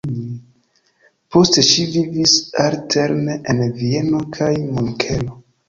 Poste ŝi vivis alterne en Vieno kaj Munkeno.